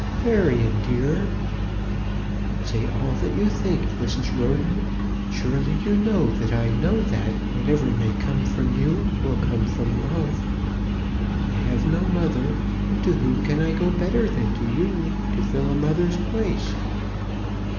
"Marion, dear!" "Say all that you think, Mrs. Roden. Surely you know that I know that whatever may come from you will come in love. I have no mother, and to whom can I go better than to you to fill a mother's place?"